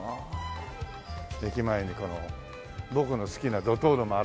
駅前にこの僕の好きなドトールもあるし。